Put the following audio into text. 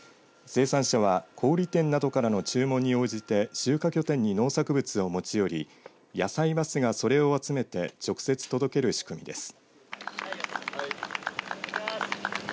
生産者は小売店などからの注文に応じて集荷拠点に農作物を持ち寄りやさいバスがそれを集めて直接届ける仕組みです。